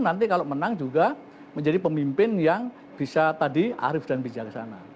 nanti kalau menang juga menjadi pemimpin yang bisa tadi arif dan bijaksana